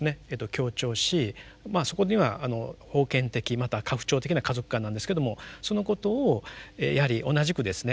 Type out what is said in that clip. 強調しそこには封建的または家父長的な家族観なんですけどもそのことをやはり同じくですね